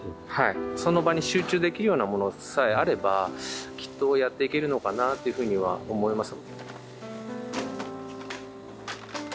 その場に集中できるようなものさえあればきっとやっていけるのかなっていうふうには思います。